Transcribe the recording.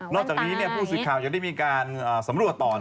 จากนี้ผู้สื่อข่าวยังได้มีการสำรวจต่อ